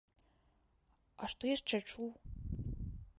А што яшчэ чуў?